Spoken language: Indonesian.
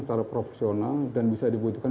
secara proporsional dan bisa dibutuhkan